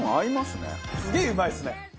すげえうまいっすね。